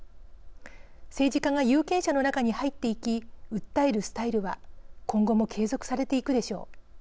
政治家が有権者の中に入っていき訴えるスタイルは今後も継続されていくでしょう。